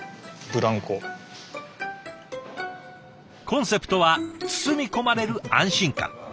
コンセプトは包み込まれる安心感。